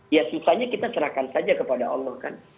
ya susahnya kita serahkan saja kepada allah kan